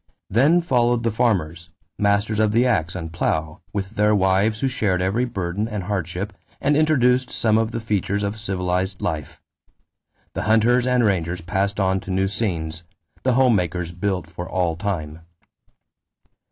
Then followed the farmers, masters of the ax and plow, with their wives who shared every burden and hardship and introduced some of the features of civilized life. The hunters and rangers passed on to new scenes; the home makers built for all time.